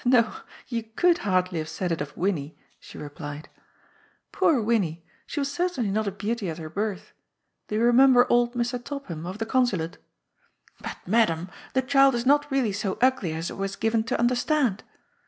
'' No, you could hardly have said it of Winnie," she replied. " Poor Winnie ! she was certainly not a beauty at her birth. Do you remember old Mr. Topham, of the Consulate :' But, Madam, the child is not really so ugly as I was given to understand